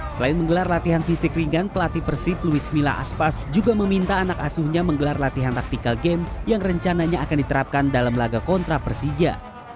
selain menggelar latihan fisik ringan pelatih persib luis mila aspas juga meminta anak asuhnya menggelar latihan taktikal game yang rencananya akan diterapkan dalam laga kontra persija